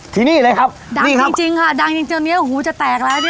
ที่นี่เลยครับนี่ครับดังจริงดังจริงเจอเนี้ยหูจะแตกแล้วเนี้ย